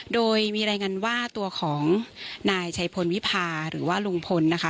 โดยมีรายงานว่าตัวของนายชัยพลวิพาหรือว่าลุงพลนะคะ